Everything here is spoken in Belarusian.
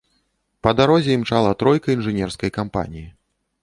Па дарозе імчала тройка інжынерскай кампаніі.